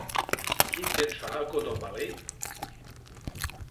Quin temps fa a Cotton Valley?